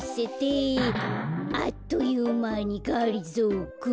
「あっというまにがりぞーくん」